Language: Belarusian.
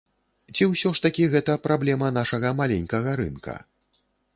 Ці ўсё ж такі гэта праблема нашага маленькага рынка?